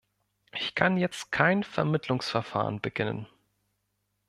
Ich kann jetzt kein Vermittlungsverfahren beginnen.